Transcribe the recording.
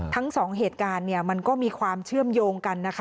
ทั้งสองเหตุการณ์เนี่ยมันก็มีความเชื่อมโยงกันนะคะ